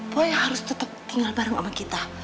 boy harus tetep tinggal bareng sama kita